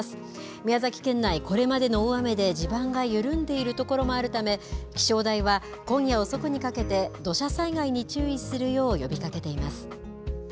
宮崎県内、これまでの大雨で地盤が緩んでいる所もあるため、気象台は、今夜遅くにかけて、土砂災害に注意するよう呼びかけています。